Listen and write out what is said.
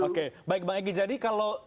oke baik bang egy jadi kalau